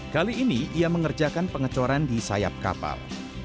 kali ini ia mengerjakan pengecoran di sayap kapal